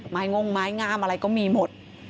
ไม้ง่างไม้งามอะไรก็มีหมด